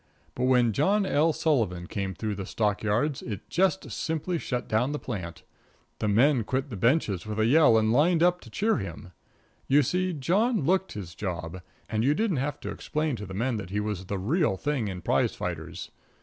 But when John L. Sullivan went through the stock yards it just simply shut down the plant. The men quit the benches with a yell and lined up to cheer him. You see, John looked his job, and you didn't have to explain to the men that he was the real thing in prize fighters.